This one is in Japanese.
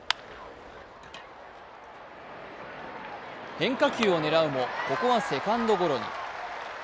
変化球を狙うもここはセカンドゴロに。